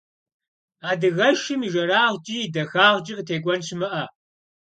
Адыгэшым и жэрагъкӏи и дахагъкӏи къытекӏуэн щымыӏэ!